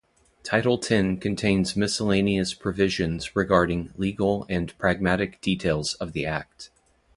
Title X contains miscellaneous provisions regarding legal and pragmatic details of the Act.